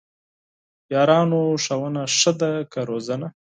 یارانو ! ښوونه ښه ده که روزنه؟!